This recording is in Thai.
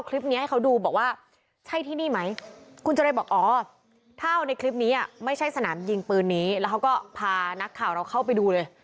แล้วเขาก็พานักข่าวเราเข้าไปดูเลย